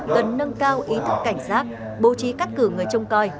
cần nâng cao ý thức cảnh sát bố trí các cử người trông coi